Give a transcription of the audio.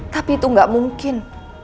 tapi itu gak mungkin